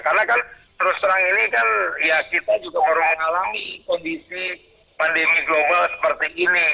karena kan terus terang ini kan ya kita juga baru mengalami kondisi pandemi global seperti ini